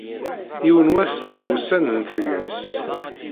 Yiwen wass deg wussan n tegrest.